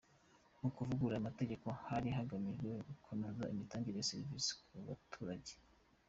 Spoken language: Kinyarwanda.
Mu kuvugurura aya mategeko hari hagamijwe kunoza imitangire ya serivisi ku baturage.